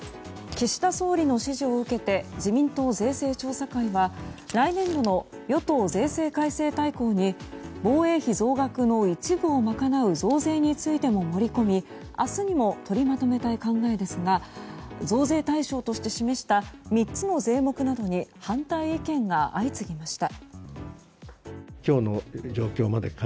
岸田総理の指示を受けて自民党税制調査会は来年度の与党税制改正大綱に防衛費増額の一部を賄う増税についても盛り込み明日にも取りまとめたい考えですが増税対象として示した３つの税目などに反対意見が相次ぎました。